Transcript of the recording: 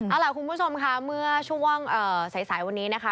เอาล่ะคุณผู้ชมค่ะเมื่อช่วงสายวันนี้นะคะ